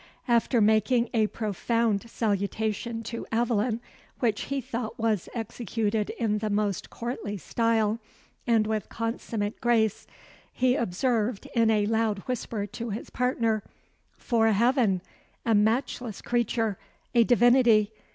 After making a profound salutation to Aveline, which he thought was executed in the most courtly style, and with consummate grace, he observed in a loud whisper to his partner, "'Fore heaven! a matchless creature! a divinity!